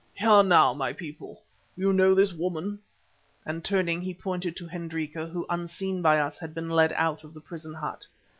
Hear now, my people, you know this woman," and turning he pointed to Hendrika, who, unseen by us, had been led out of the prison hut.